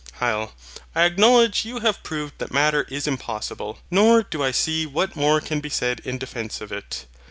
HYL. I acknowledge you have proved that Matter is impossible; nor do I see what more can be said in defence of it.